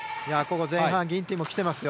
前半ギンティンも来てますよ。